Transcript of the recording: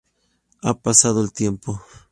Ha pasado el tiempo.